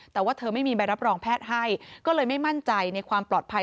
แต่ว่าเธอไม่มีใบรับรองแพทย์ให้ก็เลยไม่มั่นใจในความปลอดภัย